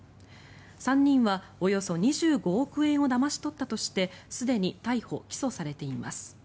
３人はおよそ２５億円をだまし取ったとしてすでに逮捕・起訴されています。